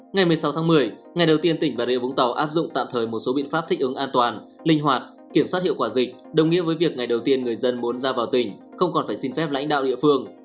ngày một mươi sáu tháng một mươi ngày đầu tiên tỉnh bà rịa vũng tàu áp dụng tạm thời một số biện pháp thích ứng an toàn linh hoạt kiểm soát hiệu quả dịch đồng nghĩa với việc ngày đầu tiên người dân muốn ra vào tỉnh không còn phải xin phép lãnh đạo địa phương